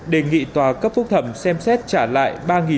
đề nghị tòa cấp phúc thẩm xem xét trả lại